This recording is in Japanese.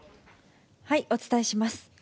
お伝えします。